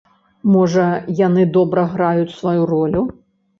Можа, яны добра граюць сваю ролю.